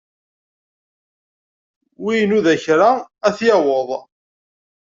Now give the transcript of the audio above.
Wi inudan kra, ad t-yaweḍ.